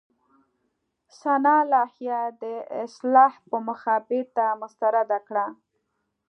سنا لایحه د اصلاح په موخه بېرته مسترده کړه.